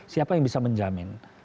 siapa yang bisa menjamin